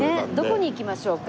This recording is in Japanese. どこに行きましょうか？